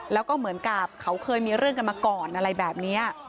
แล้วก็เหมือนกับเขาเคยมีเรื่องกันมาก่อนอะไรแบบนี้